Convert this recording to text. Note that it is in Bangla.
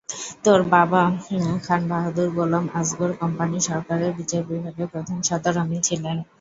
তার বাবা খান বাহাদুর গোলাম আসগর কোম্পানি সরকারের বিচার বিভাগের প্রধান সদর আমিন ছিলেন।